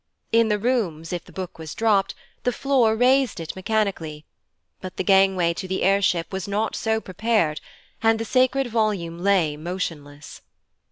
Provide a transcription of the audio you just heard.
In the rooms, if the Book was dropped, the floor raised it mechanically, but the gangway to the air ship was not so prepared, and the sacred volume lay motionless.